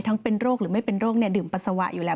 เป็นโรคหรือไม่เป็นโรคดื่มปัสสาวะอยู่แล้ว